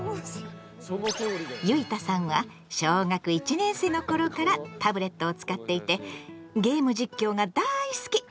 ゆいたさんは小学１年生のころからタブレットを使っていてゲーム実況がだい好き。